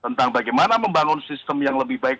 tentang bagaimana membangun sistem yang lebih baik